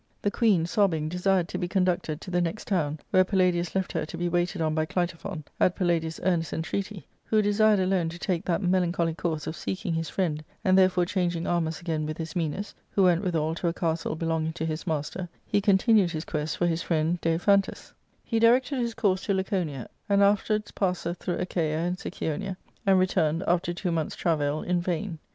The queen, sobbing, desired to be conducted to the next i town, where Palladius left her to be waited on by Clitophqn,^ at Palladius' earnest entreaty, who desired alone tortike that4((elancholy course of seeking his friend, and therefore changing armours again with Isiafij^is (who went withal to a casde belonging to his master), he continued his quest for'y ' his friend Daiphantus^ He directed his course to Laconia, and afterwards pass eth through Achaia and Sycyonia, and returned, after two months' travail in vain.